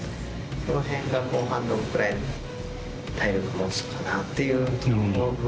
そのへんが後半、どのくらい体力もつかなっていうところ。